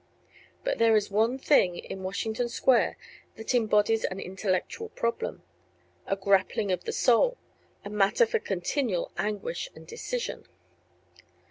But there is one thing in Washington Square that embodies an intellectual problem, a grappling of the soul, a matter for continual anguish and decision.